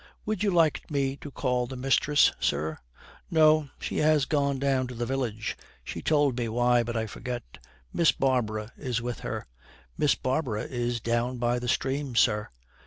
'Would you like me to call the mistress, sir?' 'No, she has gone down to the village. She told me why, but I forget. Miss Barbara is with her.' 'Miss Barbara is down by the stream, sir.'